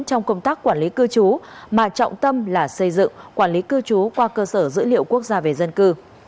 trong công tác quản lý cư trú mà trọng tâm là xây dựng quản lý cư trú qua cơ sở dữ liệu quốc gia về dân cư